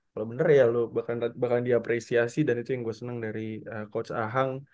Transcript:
kalau bener ya lo bakal diapresiasi dan itu yang gue senang dari coach ahang